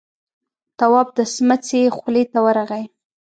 تواب د سمڅې خولې ته ورغی.